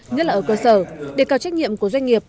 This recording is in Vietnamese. nhất là ở cơ sở đề cao trách nhiệm của doanh nghiệp